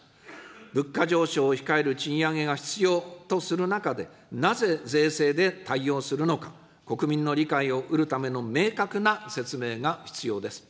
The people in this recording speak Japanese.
物価上昇を控える賃上げが必要とする中で、なぜ税制で対応するのか、国民の理解をうるための明確な説明が必要です。